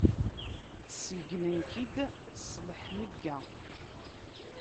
Ṣeggnen-k-id s leḥmegga.